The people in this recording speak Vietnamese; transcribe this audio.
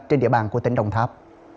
trên địa bàn của tỉnh đồng tháp